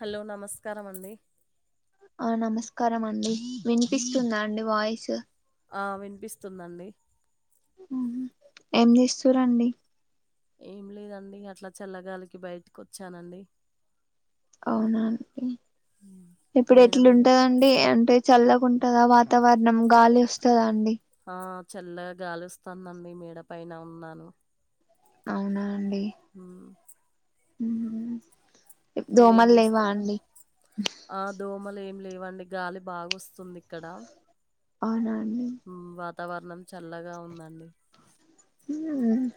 Hello నమస్కారం అండి ఆ నమస్కారం అండి వినిపిస్తుందా అండి వాయిస్ ఆ వినిపిస్తుందండి మ్ ఊహూ ఏం చేస్తురు అండి ఏం లేదండి అట్లా చల్లగాలికి బయటకి వచ్చానండి అవునా అండి ఇప్పుడు మేడ ఎట్లా మీద. వుంటదండి అంటే చల్లగా ఉంటదా వాతావరణం గాలి వొస్తాదా అండి ఆ చల్లగా గాలొస్తాంది అండి మేడ పైన ఉన్నాను అవునా? మ్ మ్ మ్ మీరేం చేస్తున్నారు ఆ దోమలు ఏం లేవు అండి గాలి బాగా వస్తుంది ఇక్కడ అవునా? అండి మ్ వా వాతావరణం చల్లగా ఉందండి హ్మ్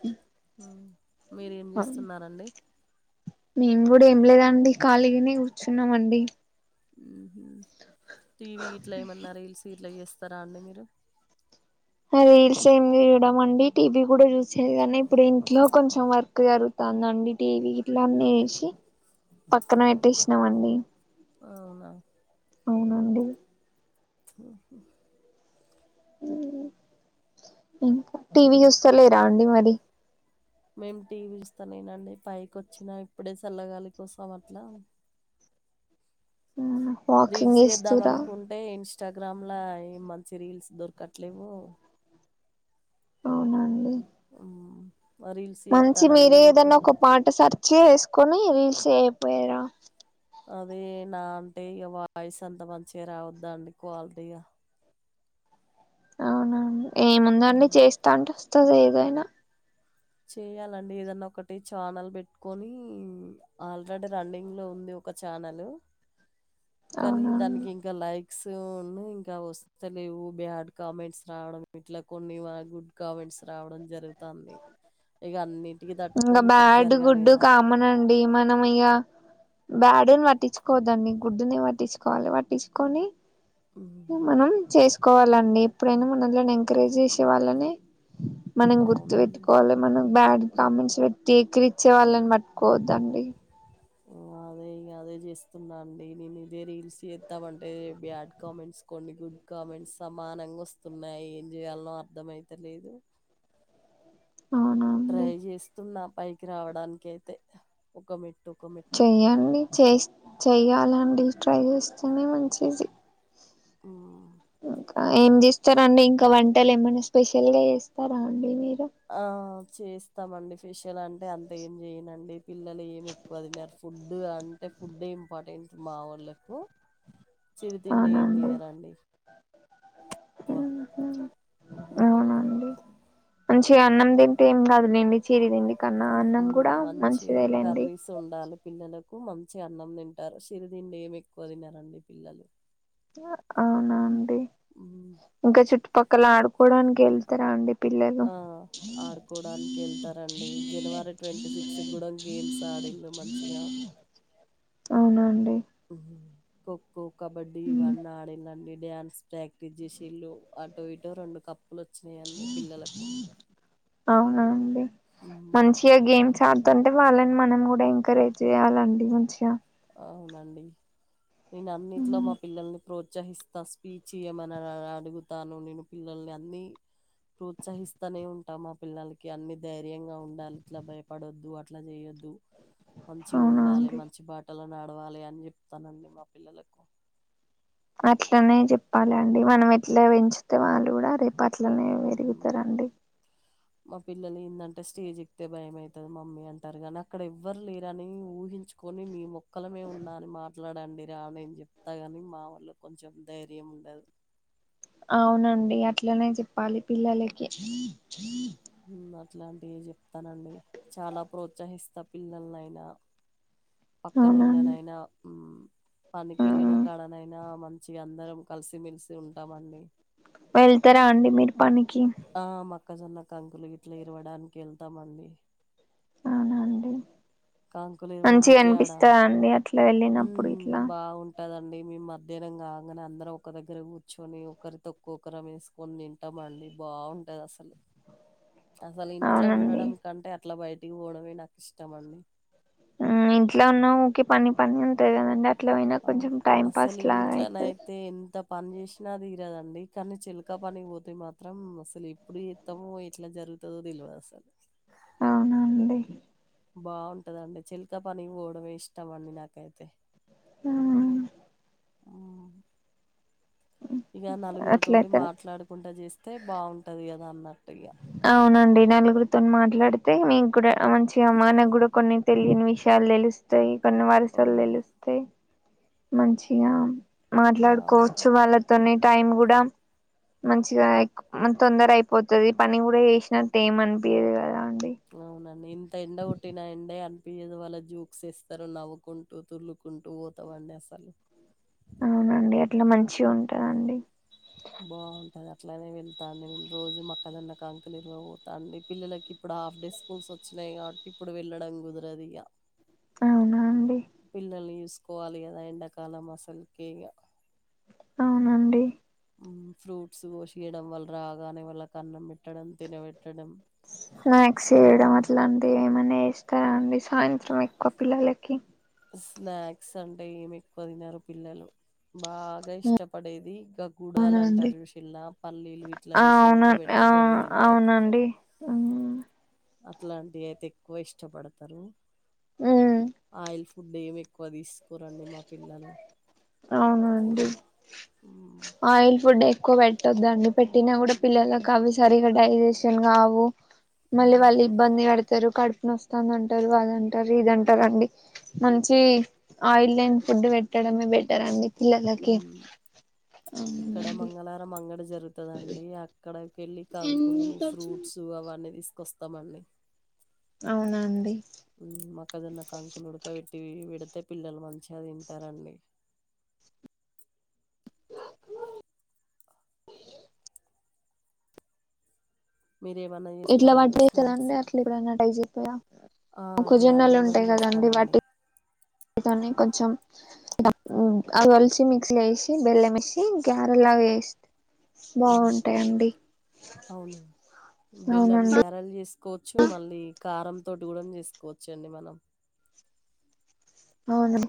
హ్మ్. మీరేం చేస్తున్నారండి? మేము కూడా ఏం లేదండి ఖాళీగానే కూర్చున్నామండి మ్ మ్ టీవి ఇట్లాఏమన్నా రీల్స్ ఇట్లా చేస్తారా అండి మీరు రీల్స్ ఏమి చూడము అండి అండి టీవీ కూడా యూస్ చెయ్యను కానీ ఇప్పుడు ఇంట్లో కొంచెం వర్క్ జరుగుతాందండి టీవీ గిట్ల అన్ని వేసి పక్కన పెట్టేసినామండి అవునా? అవునండి. మ్ హు మ్ ఇంకా టీవీ చూస్తాలేరా అండి మరి మేం టీవీ ఇస్తా నేనండి పైకి వచ్చినా ఇప్పుడే చల్లగాలి కోసం అట్లా వాకింగ్ చేస్తూరా? ఇంస్టాగ్రామ్లా ఏ మంచి రీల్స్ దొరకట్లేవు. చ అవునండి. మ్ మంచి మీరే ఏదైనా ఒక పాట సార్ చేసుకొని రీల్స్ చేయకపోయార? అదే నా అంటే ఇక వాయిస్ అంత మంచిగా రావద్ద అండి క్వాలిటీగా అవునవును ఏముందండి ఉమ్, చేస్తాంట వ స్తది ఏదైనా చేయాలండి ఏదన్నా ఒకటి ఛానల్ పెట్టుకొని ఆల్రెడీ రన్నింగ్ లో ఉంది ఒక ఛానలు. కానీ అవునండి దానికిఇంకా లైక్ స్ ఉన్ను ఇంకా అవి వస్తలేవు. బ్యాడ్ కామెంట్స్ రావడం, ఇట్లా కొన్ని గుడ్ కామెంట్స్ రావడం జరుగుతాంది. ఇగ అన్నిటికి ఇంకా తట్టుకొని ఇప్ప బ్యాడ్ జరగాలి గుడ్ కదా. బ్యాడును పట్టించుకోవదండి. గుడ్డుని పట్టించుకోవాలి, పట్టించుకొని ఇగా హ్మ్. మనం చేస్ కోవాలండి. ఎప్పుడైనా మనల్ని ఎంకరేజ్ చేసే వాళ్ళనే మనం గుర్తు అవునండి. పెట్టుకోవాలె మనం. బ్యాడ్ కామెంట్స్ పెట్టి ఎక్కిరిచ్చే వాళ్ళని పట్టుకోవద్దండి. అదే ఇగా అదే చేస్తున్నా అండి. నేను ఇదే రీల్స్ చేస్తామంటే బ్యాడ్ కామెంట్స్ కొన్ని, గుడ్ కామెంట్స్ సమానంగా వస్తున్నాయి. ఏం చేయాలో అర్థమయితలేదు. అవును. ట్రై చేస్తున్నా పైకి రావడానికి అయితే ఒక మెట్ చెయ్యండి చేస్ చెయ్యాలండి, ట్రై చేస్తేనే మంచిది. ఆ ఇంకా ఏం చేస్తారండి ఇంకా వంటలు ఏమైన్నా స్పెషల్ గా చేస్తారా అండి మీరు. ఆ చేస్తామండి ఫేషల్ అంటే అంత ఏం చేయనండి. పిల్లలు ఏం ఎక్కువ తినరు. ఫుడ్ అంటే ఫుడ్డే ఇంపార్టెంట్ మా వోళ్ళలకు. చిరితిండి ఏం అవునండి తినరండి. ఎక్కువ మ్మ్. హుహ్. అవునండి మంచిగా అన్నం తింటే ఏం కాదు. అండి చిరుతిండి కన్నా అన్నం హ్మ్. కూడా మంచిదే లేండి. కు మంచిగా అన్నం తింటారు. సిరిదిండి ఏం ఎక్కువ తినరండి పిల్లలు. అవునా. హ్మ్. [inaudible] ఇంకా చుట్టు పక్కల ఆడుకోడానికి వెళ్తరా అండి పిల్లలు ఆ ఆడుకోవడానికి ఎళ్తారండి. జనవరి ట్వంటీ సిక్స్ కూడా గేమ్స్ ఆడిళ్ళు మంచిగా. అవునా అండి. హుహ్ కో కో కబడ్డీ మ్మ్. ఇవన్ని ఆడీలండి. డ్యాన్స్ ప్రాక్టీస్ చేసిల్లు అటో ఇటో రెండు కప్పు లు వచ్చినయి అన్నీ పిల్లలకు. అవునా అండి. ఉమ్ మంచిగా గేమ్స్ ఆడుతుంటే వాళ్ళని మనం కూడా ఎంకరేజ్ చేయాలండి మంచిగా. అవునండి. నేను అన్నింటిలో మా పిల్లల్ ప్రోత్ ఉత్సహిస్తా స్పీచ్ ఇయమని అడుగుతాను నేను పిల్లల్ని అన్ని ప్రోత్సహిస్తూనే ఉంటాను మా పిల్లలకి అన్ని ధైర్యంగా ఉండాలి ఇట్లా భయపడొద్దు అట్లా చేయొద్దు మంచిగా అవునా ఉండాలి అండి మంచి బాట నడవాలి అని చెప్తానండి మా పిల్లలకు అట్లనే చెప్పాలండి మనం ఎట్లా పెంచితే వాళ్ళు కూడా రే అట్లనే ఉమ్. పెరుగుతారండి మా పిల్లలు ఏందంటే స్టేజ్ ఎక్తే భయ అవుతుంది మమ్మీ అంటారు కాగానీ అక్కడ ఎవ్వరు లేరని ఊహించుకొని మీ మొక్క ఓక్కలమే ఉన్నా అని మాట మాట్లాడండి రా నేను చెప్తా కాని మా వాళ్ళు కొంచెం ధైర్యం ఉండదు అవునండి అట్లనే చెప్పాలి పిల్లలకి అలాంటివి చెప్తానండి చాలా ప్రోత్సహిస్తా పిల్లనైనా అవునండి పక్కనుళ్ళనైనా పనికిెళ్ళిన కాడనైనా మంచి అందరం కలిసిమెెలిసి ఉంటామండి వెళ్తారా అండి మీరు పనికి ఆ మక్కజొన్న కంకులు ఇట్లా ఇరవడానికి వెళ్తామండి అవున అండి కంకులు మంచిగ ఇరవబోతే ఆడ అనిపిస్తా అండి అట్లా వెళ్ళినప్పుడు ఇట్లా ఉంటుందండి మేము మధ్యాహ్నం కాగానే అందరం ఒక దగ్గర కూర్చొని ఒకరి తక్కువ ఒకర వేసుకొని తింటామ అండి బాగుంటది అసలు అసలు ఇంట్లో అవునండి ఉండడం కంటే అట్లా బయట ఇటి పోవడమే నాకు ఇష్టమండి ఇంట్లో ఉన్న ఊకె పని పని ఉంతేయి కదండి అట్లా పోయినా కొంచెం అవును. టైం పాస్ అసలు లా అయితది ఇంట్లోనైతే ఎంత పని చేసినా తీరదండి కానీ చిలకా పనికి పోతే మాత్రం అసలు ఎప్పుడు ఇత్తాముో ఎట్లా జరుగుతుందో తెలియదు అసలు అవునండి బాగుంటదండి చిల్క పనికి పోవడమే ఇష్టం అండి నాకైతే ఆ ఇక నలుగురు తోటి అట్లయితేనే మాట్లాడుకుంటా చేస్తే బాగుంటది కదా నన్నట్ అవునండి నలుగురితో మాట్లాడితే మీకు కూడా మంచిగా మా నాకు కూడా కొన్ని తెలియని విషయాలు తెలుస్తాయి ప వారి హ్మ్. చల్లుస్త మంచినా మాట్లాడుకోవచ్చు బావుంటది. వాళ్ళతోనే టైమ్ కూడా మంచిగా తొందర అయిపోతది పని కూడా చేసినట్ట ఏమ అనిపియ్యదు కదా అవునండి ఇంత ఎండ కొట్టిన ఎండ అనిపించదు వాళ్ళ జూక్స్ ఇస్తారు నవ్వుకుంటూ తుల్లుకుంటూ పోతావండి అసలు అవునండి అట్లా మంచి వచ్చి ఉంటారండి బావుంద్ తదఅట్లనే వెళ్తాను నేను రోజు మొక్కజోన్న కంకుల్ ఇరువ పోతాండి పిల్లలకి ఇప్పుడు హాఫ్ డే స్కూల్స్ వచ్చినాయి కాబట్టి ఇప్పుడు వెళ్ళడం కుదరదు ఇగ అవునా అండి. పిల్లల్ని చూసుకోవాలి కదా ఎండాకాలం అసలుకి ఇగ అవునండి. ఊ ఫ్రూట్స్ కోషియడం వల్ల రాగానే వాల్ల కన్నం పెట్ స్నాక్స్ చేయడం స్నానాలు అట్లాంటివి ఏమన్న ఏ చేస్తారా అండి సాయంత్రం ఎక్కువ పిల్లలకి స్నాక్స్ అంటే ఏమి ఎక్కువ తినరు పిల్లలు బాగా ఇష్టపడేది [unintelligible] అవునండి గుడాలంటారుషల్లా పల్లీలు ఇట్లా ఆ వేసి అవున ఉడకబెడితే ఆ గవ్వి తింటారు. అవునండి మ్మ్ అట్లాంటివి అయితే ఎక్కువ ఇష్టపడతరు. ఆయిల్ ప్ ఫుడ్ ఏం ఎక్కువ తీస్ అవునాండి హ్మ్ ఆయిల్ ఫుడ్ ఎక్ ఎక్కువ పెట్టొద్దండి పెట్టినా కూడా పిల్లలకి అవి సరిగా డైజెషన్ కావు మళ్ళీ హ్మ్ వాళ్ళు ఇబ్బంది పడతారు కడుపునస్తుంది అంటారు అదంటారు ఇదంటారండి మంచి ఆయిల్ లేని ఫుడ్ పెట్టడమే బెటర్ అండి. పిల్లలకి హ్మ్ అవునండి. జరుగుతుదండి అక్కడ కెళ్ళి కంకులు ఫ్రూట్స్ అవన్న తీస్ వస్తామండి. అవునండి. అయితే పిల్లలు మంచిగా తింటారండి. మీరేమన్నా ఇట్ల చేస్తరా అండి స్నాక్స్? [unintelligible] ఆ! గ్యారలు మొక్కజొన్నలు గూడం ఉంటాయి కదండి జేస్తామండి. వాటి తోనే కొంచెం అవలిచి మిక్సలో వేసి బెల్లంవేసి గ్యారెలా వేస్తు హ్మ్. బాగుంటాయండి అవును. అవునండి. కోచ్చు మళ్ళీ కారం తోటి కూడా చేసుకోవచ్చు అండి మనం అవును.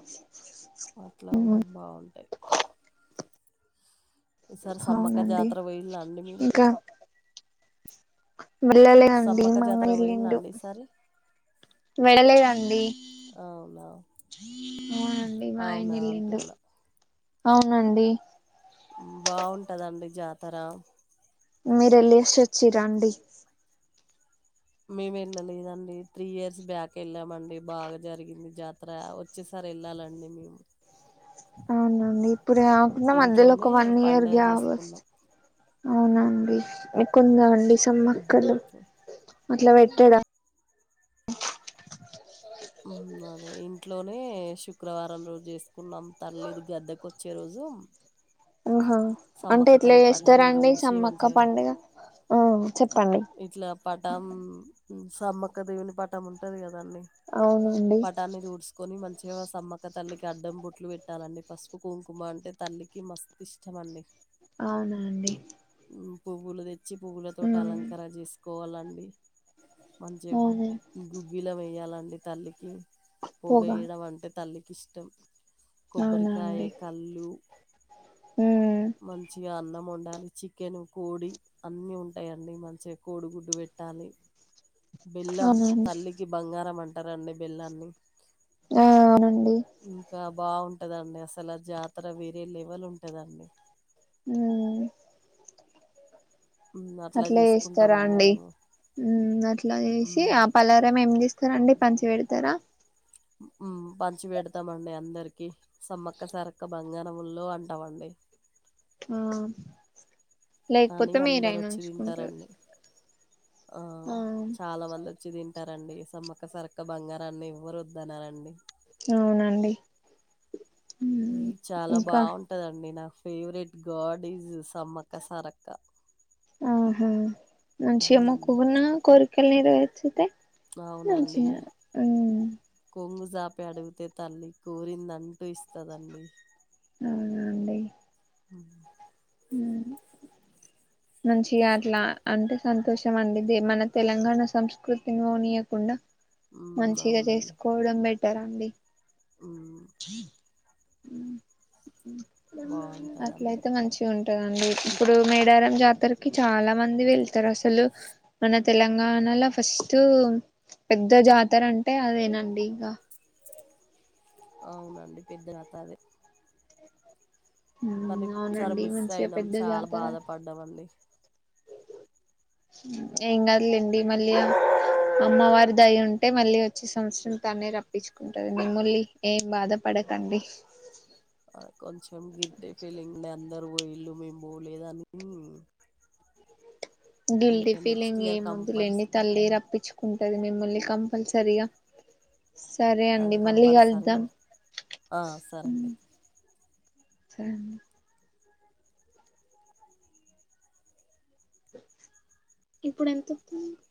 అట్లా కూడా బాగుంటాయి. సమ్మక్క అవునండి జాతర బోయిల్లా అండి మీరు? ఇంకా వెళ్ళలేదండి సమ్మక్క జాతరకు బోయిల్లా మాయనేల్లిండు అండి ఈసారి? వెళ్ళలేదండి అవునా! అవునండి అవునా మాయనేల్లిండు అంటున్నా. అవునండి. బాగుంటదండి జాతర మీరేల్లెసి వచ్చిర్రండి. మేము వెళ్ళలేదండి త్రీ ఇయర్స్ బ్యాక్ వెళ్ళామండి బాగా జరిగింది జాతర వచ్చేసారి వెళ్ళాలండి మేము అవునా అండి ఇప్పుడు కాకుండా మధ్యలో ఒక ఇంట్లోనే వన్ ఇయర్ పండగ గ్యాప్ వస్ట్ జేసుకున్నాం. అవున మీకుందా అండి సమ్మక్కలు హ్మ్. అట్లా పెటుడా హ్మ్ అదే ఇంట్లోనే శుక్రవారం రోజు చేసుకున్నాం తల్లిది గద్దకొచ్చే రోజు ఆహా అంటే సమ్మక్క ఎట్లా తల్లి పటాన్ని చేస్తారాండి దూడిచి సమ్మక్క మంచిగా పండగ హ్మ్ చెప్పండి ఇట్లా పటం సమ్మక్క దేవుని పటం ఉంటది కదా దాని అవునండి పటాన్ని దుడ్చుకొని మంచిగా సమ్మక్క తల్లికి అడ్డం బొటు బొట్లు పెట్టాలండి పసుపు కుంకుమ అంటే తల్లికి మస్త్ ఇష్టం అండి అవునా అండి హ్మ్ బుగులు దె పచ్చి పువ్వులతోట అలంకార చేసి కోవాలండి మంచిగా అవును గుగ్గిల వెయాలంట డి తల్లికి పోగ పోగా ఎయడమంటే తల్లికి ఇష్టం కొబ్బరికాయ అవునండి కళ్ళు ఉమ్ మంచిగా అన్నం ఒండు ఉండాలి చికెన్ కోడి అన్ని ఉంటాయండి మంచిగా కోడి గుడ్డు పెట్టాలి బెల్లం అవునండి తల్లికి బంగారం అంటారండి బెల్లాన్ని ఆ అవునండి ఇంకా బాగుం టదండి అసలు ఆ జాతర వేరే లెవల్ ఉంటుదండి హ్మ్ మ్మ్, అట్లా చేస్తారా చేసుకుంటామండి అండి మేము హ్మ్ అట్లా చేసి ఆ మ్మ్, పలారం ఏం చేస్త రండి పంచి పెడతారా పంచి పెడతామండి అందరికీ సమ్మక్క సారక్క బంగారముల్లో అంటామండి హ్మ్ అని లేకపోతే అందరు మీరైనా వచ్చి ఉంచుకుంటారు తింటారండి ఆ చాలా మంది వచ్చి దిం టారండి సమ్మక సారక్క బంగారాన్ని ఎవరు వద్దన్నారండి అవునండి ఉమ్ చాలా ఇంకా బాగుంటదండి నాకు favourite god is Sammakka Sarakka. ఆహా మంచిగ హ్మ్. మొక్కుకున్న కోరి క్కల్ నెరవేర్చుతే అవునండి. మంచిగా ఆ కొంగు జాపి అడిగితే తల్లి కోరింద అంటూ ఇస్తదండి అవునాండి ఆ ఊ మంచిగా అట్లా అంటే సంతోషం అండి దె మన తెలంగాణ సంస్కృతిని వోనీయకుండా హ్మ్. మంచిగ అవునండి. చేసుకోవడం బెట్ టరండి హ్మ్. [inaudible] బావుంటదండి. అట్లయితే మంచిగుంటదండి ఇపుడు ఇప్పుడు మేడారం జాతరకి చాలా మంది వెళ్తారు అసలు మన తెలంగాణలో ఫస్ట్ పెద్ద జాతర అంటే అదేనండి ఇంగ అవునండి పెద్ద యాత అదె కానీ ఇ సార్ అవునండి మిస్ మంచిగా అయినాం పెద్ద చాలా జాతర బాధ పడ్డం అండి ఊ ఏం గాదులేండి మళ్ళీ అమ్మవారి దయ ఉంటే మళ్ళీ వచ్చే సంవత్సరం తనే రప్పించుకుంటది మిములి ఏం బాధ పడకండి అందరు ఒయిల్లు మేము బోలేదనీ గిల్టీ ఫీలింగ్ ఇయర్ కంపల్స్ ఏమదులెండి తల్లి రప్పిచ్ కుంటది మిమ్ముల్ని కంపల్సరిగా సరే అండి అవి మళ్ళీ కంపల్సరీ కలుద్దాం ఒ ఆ సరే అండి సరే అండి ఇప్పుడు ఎంతతుంది మీక్